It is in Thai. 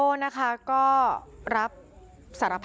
ก็รับสารภาพนะคะเขาบอกเขากรวด